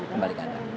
kembali ke anda